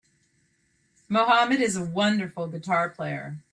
Mohammed is a wonderful guitar player.